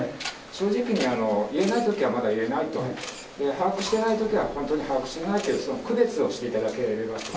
正直に言えないときはまだ言えないと、把握してないときは本当に把握してないっていう、区別をしていただければと思います。